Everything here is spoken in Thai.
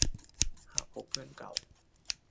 หากพบเพื่อนเก่า